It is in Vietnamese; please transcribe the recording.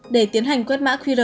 để tiến hành quét mã qr